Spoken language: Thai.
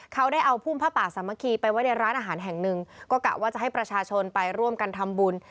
เขาได้เอาพุ่มผ้าป่าสามัคคีไปไว้ในร้านอาหารแห่งหนึ่งก็กะว่าจะให้ประชาชนไปร่วมกันทำบุญ